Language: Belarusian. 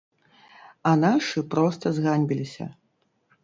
А нашы проста зганьбіліся.